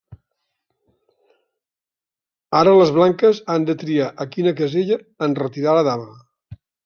Ara les blanques han de triar a quina casella enretirar la dama.